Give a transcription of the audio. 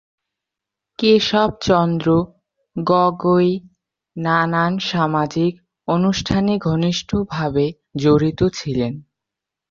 কেশব চন্দ্র গগৈ নানান সামাজিক অনুষ্ঠানে ঘনিষ্ঠ ভাবে জড়িত ছিলেন।